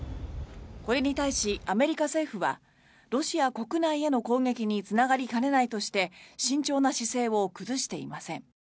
これに対し、アメリカ政府はロシア国内への攻撃につながりかねないとして慎重な姿勢を崩していません。